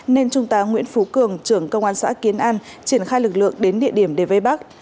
nên trung tá nguyễn phú cường trưởng công an xã kiến an triển khai lực lượng đến địa điểm để vây bắt